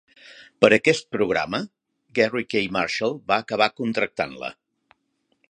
Per aquest programa, Garry K. Marshall va acabar contractant-la.